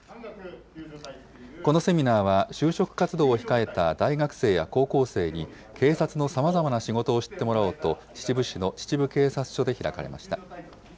このセミナーは、就職活動を控えた大学生や高校生に、警察のさまざまな仕事を知ってもらおうと、秩父市の秩父警察署で開かれました。